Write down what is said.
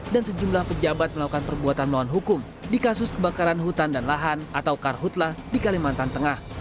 dan sejumlah pejabat melakukan perbuatan melawan hukum di kasus kebakaran hutan dan lahan atau karhutla di kalimantan tengah